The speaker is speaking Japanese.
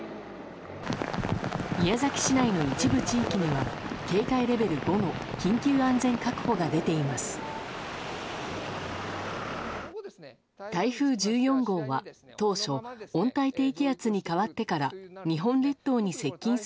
宮崎市内の一部地域には警戒レベル５の緊急安全確保が出ています。